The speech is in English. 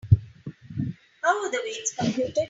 How are the weights computed?